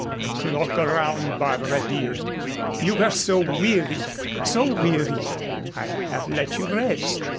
"The clock around, Barbara, dear. You were so weary, so weary, I have let you rest."